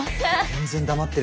全然黙ってるけど。